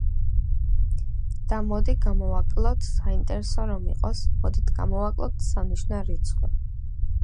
და მოდი გამოვაკლოთ, საინტერესო რომ იყოს, მოდით გამოვაკლოთ სამნიშნა რიცხვი.